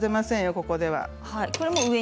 ここでは。